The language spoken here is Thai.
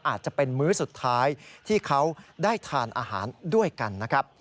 อาจจะเป็นมื้อสุดท้ายที่เขาได้ทานอาหารด้วยกันนะครับ